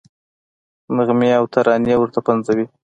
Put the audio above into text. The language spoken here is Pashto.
نغمې او ترانې ورته پنځوي.